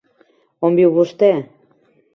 On viu vostè?